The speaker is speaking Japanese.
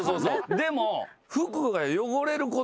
でも。